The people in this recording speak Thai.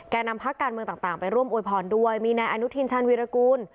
นำพักการเมืองต่างไปร่วมโวยพรด้วยมีนายอนุทินชาญวีรกูล